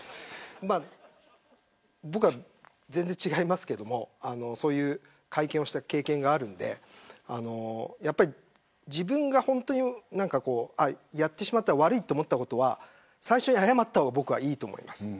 僕は全然違いますけどそういう会見をした経験があるので自分が悪いと思ったことは最初に謝った方がいいと思います。